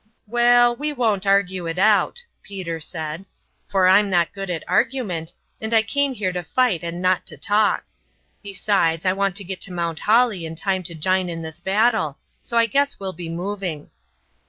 "Waal, we won't argue it out," Peter said, "for I'm not good at argument, and I came here to fight and not to talk. Besides, I want to get to Mount Holly in time to jine in this battle, so I guess we'll be moving."